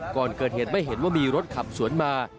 ก่อนเกิดเหตุไม่เห็นว่ามีรถขับสวนมา